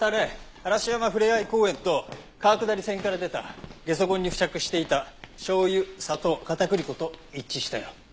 嵐山ふれあい公園と川下り船から出たゲソ痕に付着していた醤油砂糖片栗粉と一致したよ。